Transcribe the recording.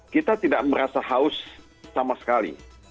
kita tidak merasa haus sama sekali